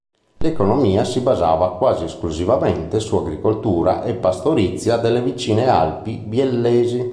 L'economia si basava quasi esclusivamente su agricoltura e pastorizia delle vicine Alpi biellesi.